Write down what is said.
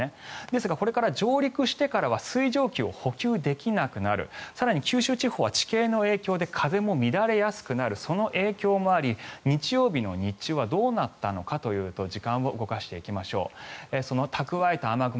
ですが、これが上陸してからは水蒸気を補給できなくなる更に九州地方は地形の影響で風も乱れやすくなるその影響もあり日曜日の日中はどうなったのかというと時間を動かしていきましょうその蓄えた雨雲